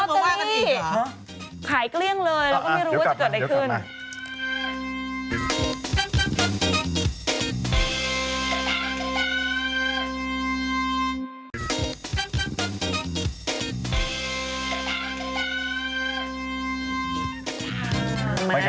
ถ้าขายเกลี้ยงเลยแล้วก็ไม่รู้จะเกิดไรขึ้น